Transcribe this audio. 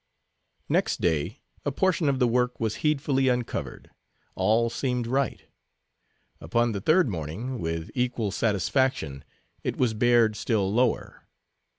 Next day a portion of the work was heedfully uncovered. All seemed right. Upon the third morning, with equal satisfaction, it was bared still lower.